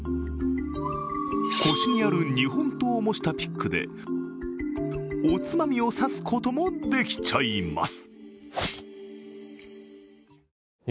腰にある日本刀を模したピックでおつまみを刺すこともできちゃいます。